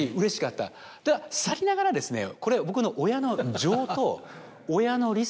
たださりながらですねこれは僕の。